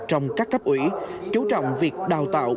trong các cấp ủy chú trọng việc đào tạo